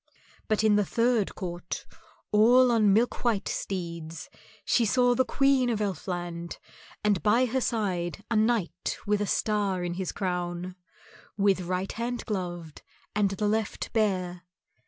But in the third court, all on milk white steeds, she saw the Queen of Elfland, and by her side a knight with a star in his crown, with right hand gloved and the left bare.